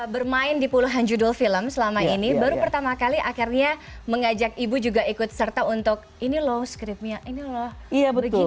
bermain di puluhan judul film selama ini baru pertama kali akhirnya mengajak ibu juga ikut serta untuk ini loh skriptnya ini loh begini